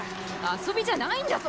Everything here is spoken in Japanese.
⁉遊びじゃないんだぞ！